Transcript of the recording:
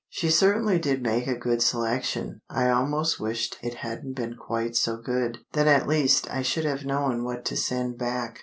She certainly did make a good selection; I almost wished it hadn't been quite so good, then at least I should have known what to send back.